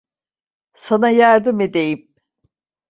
Sana yardım edeyim.